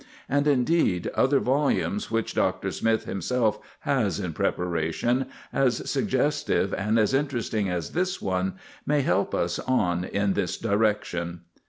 And, indeed, other volumes which Dr. Smith himself has in preparation, as suggestive and as interesting as this one, may help us on in this direction.